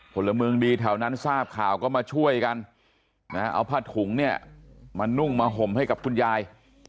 พลเมืองดีแถวนั้นทราบข่าวก็มาช่วยกันนะเอาผ้าถุงเนี่ยมานุ่งมาห่มให้กับคุณยาย